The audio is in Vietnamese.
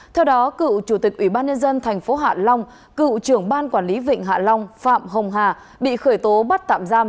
theo đó cựu chủ tịch ủy ban nhân dân tp hạ long cựu trưởng ban quản lý vịnh hạ long phạm hồng hà bị khởi tố bắt tạm giam